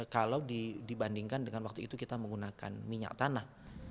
kalau dibandingkan dengan waktu itu kita menggunakan minyak tanah